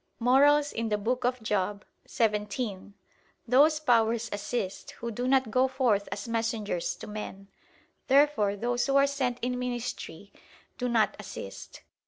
(Moral. xvii): "Those powers assist, who do not go forth as messengers to men." Therefore those who are sent in ministry do not assist.